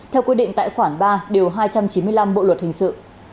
theo quy định tại khoản ba điều hai trăm chín mươi năm bộ luật hình sự